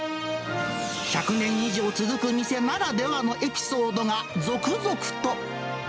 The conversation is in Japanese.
１００年以上続く店ならではのエピソードが続々と。